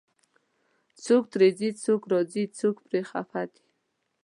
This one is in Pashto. څوک ترې ځي، څوک راځي، څوک پرې خفه دی